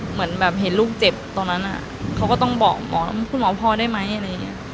เหมือนเห็นลูกเจ็บตอนนั้นเขาก็ต้องบอกหมอคุณหมอพอได้ไหม